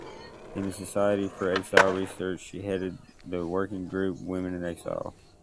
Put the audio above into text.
In the "Society for Exile Research" she headed the working group "Women in Exile".